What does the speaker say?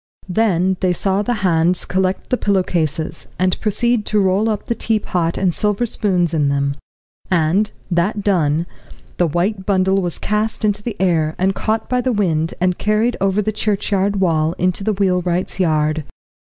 Then they saw the hands collect the pillow cases, and proceed to roll up the teapot and silver spoons in them, and, that done, the white bundle was cast into the air, and caught by the wind and carried over the churchyard wall into the wheelwright's yard.